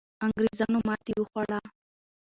انګریزانو ماتې وخوړه.